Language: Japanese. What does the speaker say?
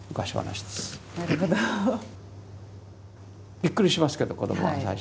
びっくりしますけど子どもは最初。